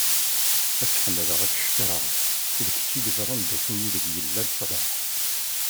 Ad ak-ḥemmdeγ ad ak-cekkreγ d kečč i yeẓran d acu ideg yella leṣlaḥ.